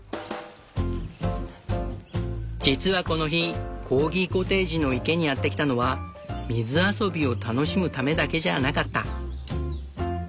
実はこの日コーギコテージの池にやって来たのは水遊びを楽しむためだけじゃあなかった。